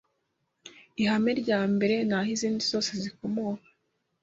ihame rya mbere naho izindi zose zikomoka